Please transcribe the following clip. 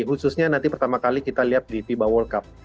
khususnya nanti pertama kali kita lihat di fiba world cup